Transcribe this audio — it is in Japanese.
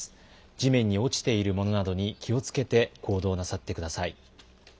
地面に落ちているものなどに気をつけて行動なさってください。